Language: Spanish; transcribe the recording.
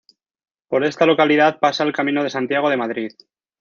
Por esta localidad pasa el Camino de Santiago de Madrid.